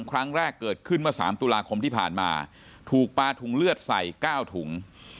ครั้งแรกเกิดขึ้นเมื่อ๓ตุลาคมที่ผ่านมาถูกปลาถุงเลือดใส่๙ถุง